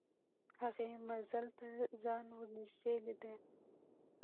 هغې منزل ته ځان ور نږدې لیده